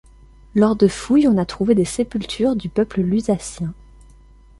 Lors de fouilles on a trouvé des sépultures du peuple lusacien.